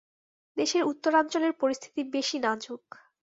দেশের উত্তরাঞ্চলের পরিস্থিতি বেশি নাজুক।